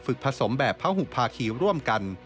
ผสมแบบพระหุภาคีร่วมกัน